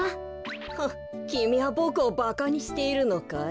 フッきみはボクをバカにしているのかい？